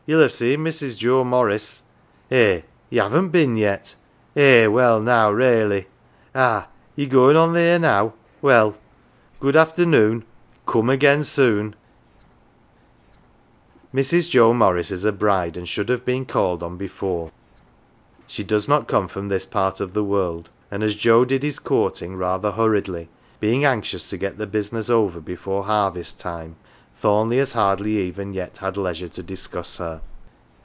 Ye'll 'ave seen Mrs. Joe Morris. Eh ! ye haven't bin yet. Eh h h ! well now, raly ! Ah ! ye're goin' on theer now. Well, .good afternoon. Coom again soon." 227 HERE AND THERE Mrs. Joe Morris is a bride, and should have been called on before. She does not come from this part of the world, and as Joe did his courting rather hurriedly, being anxious to get the business over before harvest time, Thornleigh has hardly even yet had leisure to discuss her.